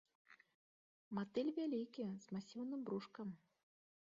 Матыль вялікі, з масіўным брушкам.